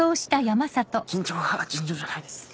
緊張が尋常じゃないです。